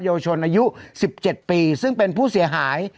โยชนอายุสิบเจ็ดปีซึ่งเป็นผู้เสียหาย